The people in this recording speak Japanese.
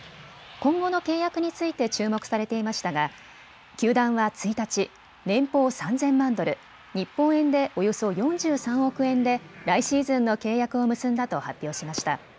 今後の契約について注目されていましたが球団は１日、年俸３０００万ドル、日本円でおよそ４３億円で来シーズンの契約を結んだと発表しました。